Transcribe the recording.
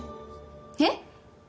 えっ？